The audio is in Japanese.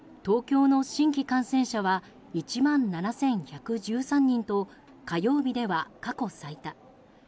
ＪＴ東京の新規感染者は１万７１１３人と火曜日では過去最多。